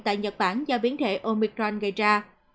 tại nhật bản do biến thể omicron gây ra